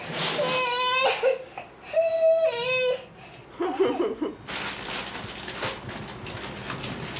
フフフフ。